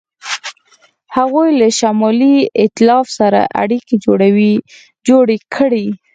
هغوی له شمالي ایتلاف سره اړیکې جوړې کړې.